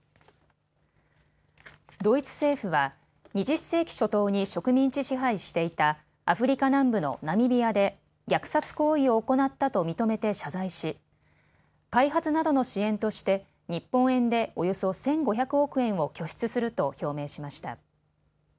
ドイツ政府は２０世紀初頭に植民地支配していたアフリカ南部のナミビアで虐殺行為を行ったと認めて謝罪し、開発などの支援として日本円でおよそ１５００億円を拠出すると表明しました。